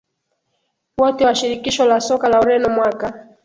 Wote wa Shirikisho la Soka la Ureno mwaka